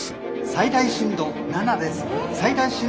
最大震度７です。